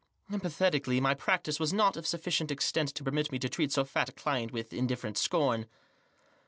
Emphatically, my practice was not of sufficient extent to permit me to treat so fat a client with indifferent scorn.